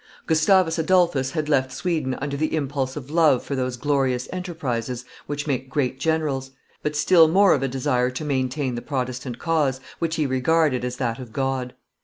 ] Gustavus Adolphus had left Sweden under the impulse of love for those glorious enterprises which make great generals, but still more of a desire to maintain the Protestant cause, which he regarded as that of God.